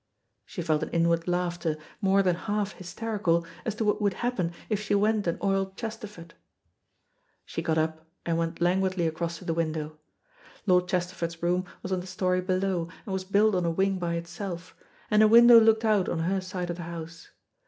She felt an inward laughter, more than half hysterical, as to what would happen if she went and oiled Chesterford. She got up and went languidly across to the window. Lord Chesterford's room was on the story below, and was built on a wing by itself, and a window looked out on her side of the house.